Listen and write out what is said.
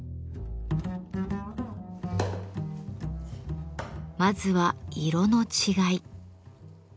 まずは色の違い。